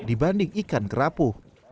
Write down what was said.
dibanding ikan kerapu